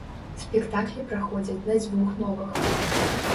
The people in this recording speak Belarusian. Спектаклі праходзяць на дзвюх мовах.